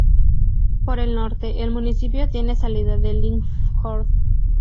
Por el norte, el municipio tiene salida al Limfjord.